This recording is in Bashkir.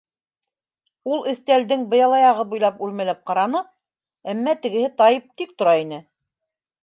Ул өҫтәлдең быяла аяғы буйлап үрмәләп ҡараны, әммә тегеһе тайып тик тора ине.